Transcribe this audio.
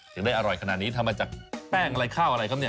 ถึงได้อร่อยขนาดนี้ทำมาจากแป้งอะไรข้าวอะไรครับเนี่ย